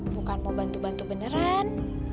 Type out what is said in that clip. bukan mau bantu bantu beneran